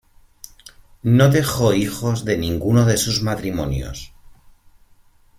No dejó hijos de ninguno de sus matrimonios.